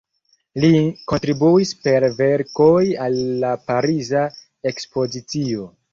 Li kontribuis per verkoj al la Pariza Ekspozicio.